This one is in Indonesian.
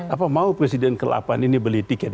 apa mau presiden ke delapan ini beli tiket